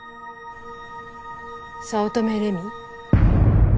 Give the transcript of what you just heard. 早乙女麗美？